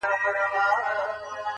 • د ابليس پندونه -